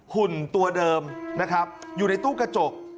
หุ่นตัวเดิมนะครับอยู่ในตู้กระจก